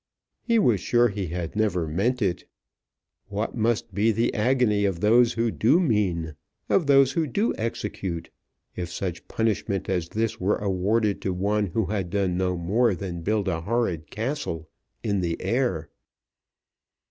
He was sure he had never meant it. What must be the agony of those who do mean, of those who do execute, if such punishment as this were awarded to one who had done no more than build a horrid castle in the air?